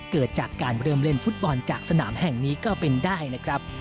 เกิดจากการเริ่มเล่นฟุตบอลจากสนามแห่งนี้ก็เป็นได้นะครับ